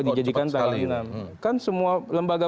dijadikan tahun enam kan semua lembaga